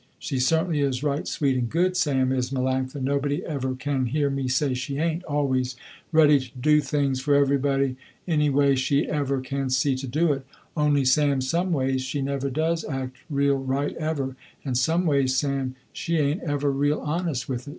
She certainly is right sweet and good, Sam, is Melanctha, nobody ever can hear me say she ain't always ready to do things for everybody anyway she ever can see to do it, only Sam some ways she never does act real right ever, and some ways, Sam, she ain't ever real honest with it.